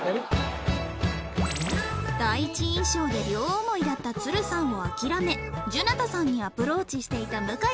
第一印象で両思いだった鶴さんを諦めじゅなたさんにアプローチしていた向さん